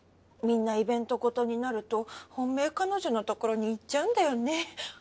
みんなイベント事になると本命彼女のところに行っちゃうんだよね。